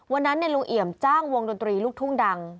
วันนั้นลุงเอี่ยมจ้างวงดนตรีลูกทุ่งดัง